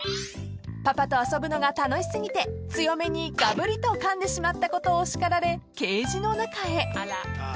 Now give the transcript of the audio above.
［パパと遊ぶのが楽し過ぎて強めにガブリとかんでしまったことを叱られケージの中へ］